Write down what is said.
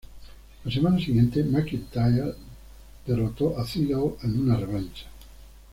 La semana siguiente McIntyre del derrotó a Ziggler en una revancha.